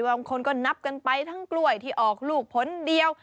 บางคนก็นับกันไปทั้งกล้วยที่ออกลูกผลเดียว